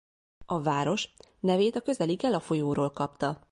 A város nevét a közeli Gela folyóról kapta.